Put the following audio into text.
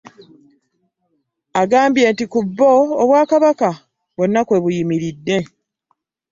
Agambye nti ku bo, obwakabaka bwonna kwe buyimiridde